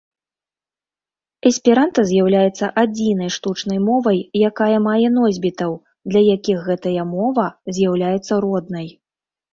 Эсперанта з'яўляецца адзінай штучнай мовай, якая мае носьбітаў, для якіх гэтая мова з'яўляецца роднай.